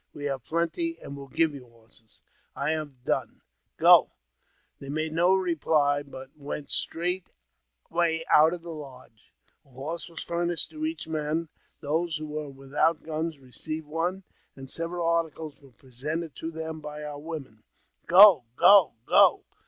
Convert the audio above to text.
We have plenty, and will give you horses. I have done. Go !" They made no reply, but went straightway out of the lodge. A horse was furnished to each man ; those who were without guns received one, and several articles were presented to them by our women. " Go ! go ! go